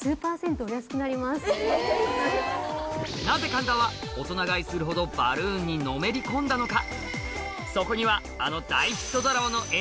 なぜ神田はオトナ買いするほどバルーンにのめり込んだのか？